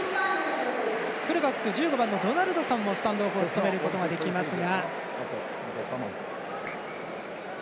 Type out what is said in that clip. フルバック１５番のドナルドソンもスタンドオフを務めることができますが。